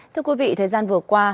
thưa quý vị thời gian vừa qua